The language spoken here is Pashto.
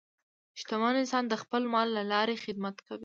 شتمن انسان د خپل مال له لارې خدمت کوي.